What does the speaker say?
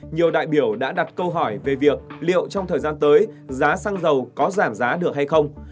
nhiều đại biểu đã đặt câu hỏi về việc liệu trong thời gian tới giá xăng dầu có giảm giá được hay không